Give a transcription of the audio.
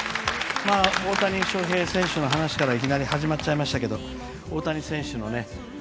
大谷翔平選手の話からいきなり始まっちゃいましたが大谷選手もね